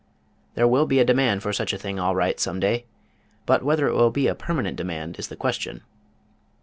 There will be a demand for such a thing all right some day, but whether it will be a permanent demand is the question."